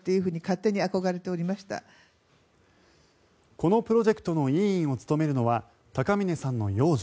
このプロジェクトの委員を務めるのは高峰さんの養女